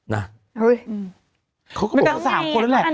น่ะเขาก็บอกว่าไม่แต่สามคนแล้วแหละ